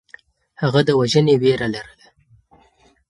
هغه د وژنې وېره لرله.